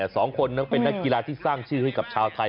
สองคนนั้นเป็นนักกีฬาที่สร้างชื่อให้กับชาวไทย